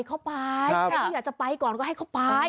ถ้าอยากจะไปก่อนก็ให้เขาไป